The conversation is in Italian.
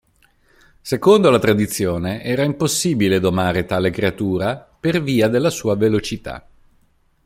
Secondo la tradizione era impossibile domare tale creatura per via della sua velocità.